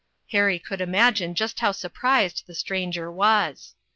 Harry could imagine just how surprised the stranger was.